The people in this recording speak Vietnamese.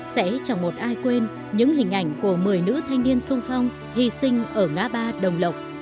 sẽ chẳng một ai quên những hình ảnh của một mươi nữ thanh niên sung phong hy sinh ở ngã ba đồng lộc